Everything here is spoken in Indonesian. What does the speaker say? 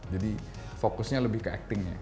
jadi fokusnya lebih ke actingnya